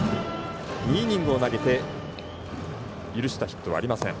２イニングを投げて許したヒットありません。